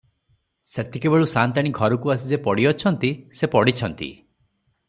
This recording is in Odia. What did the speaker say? ସେତିକିବେଳୁ ସାଆନ୍ତାଣୀ ଘରକୁ ଆସି ଯେ ପଡିଅଛନ୍ତି, ସେ ପଡ଼ିଛନ୍ତି ।